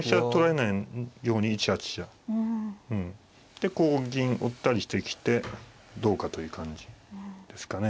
でこう銀追ったりしてきてどうかという感じですかね。